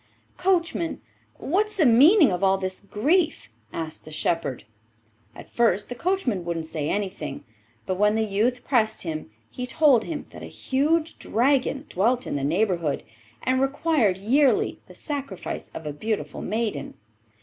'Coachman, what's the meaning of all this grief?' asked the shepherd. At first the coachman wouldn't say anything, but when the youth pressed him he told him that a huge dragon dwelt in the neighbourhood, and required yearly the sacrifice of a beautiful maiden.